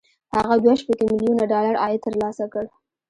هغه دوه شپېته ميليونه ډالر عاید ترلاسه کړ